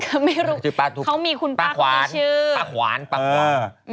เขาไม่รู้เขามีคุณป้าเขามีชื่อป้าขวานป้าขวาน